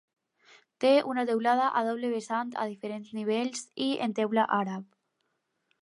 Té una teulada a doble vessant a diferents nivells i en teula àrab.